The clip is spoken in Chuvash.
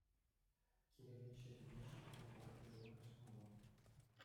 Киремет ҫырмине ҫитме вар урлӑ каҫмалла.